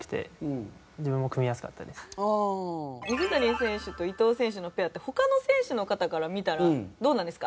本当に水谷選手と伊藤選手のペアって他の選手の方から見たらどうなんですか？